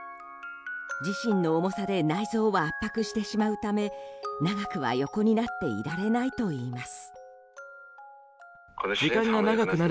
自身の重さで内臓を圧迫してしまうため長くは横になってはいられないといいます。